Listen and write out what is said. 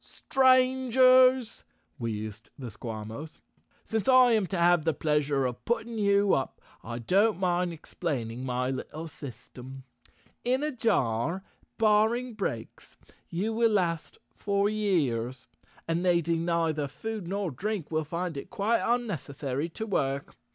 "Strangers," wheezed the Squawmos, "since I am to have the pleasure of. putting you up I don't mind explaining my little system. In a jar, barring breaks, you will last for years, and needing neither food nor drink will find it quite unnecessary to work.